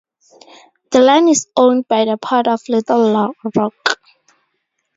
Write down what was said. The line is owned by the Port of Little Rock.